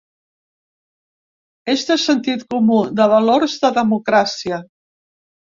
És de sentit comú, de valors, de democràcia.